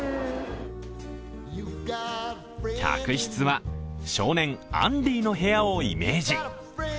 客室は少年・アンディーの部屋をイメージ。